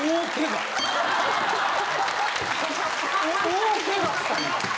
大ケガした今。